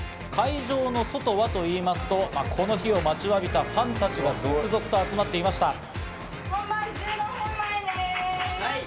会場の外はと言いますと、この日を待ちわびたファンたちが続々と集まっていました。